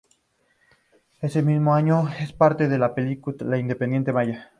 Ese mismo año es parte de la película independiente "Mala gente".